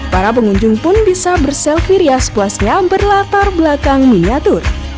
para pengunjung pun bisa berselfie rias puasnya berlatar belakang miniatur